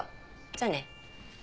じゃあね。